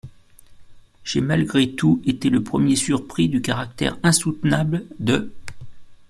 J’ai malgré tout été le premier surpris du caractère insoutenable de.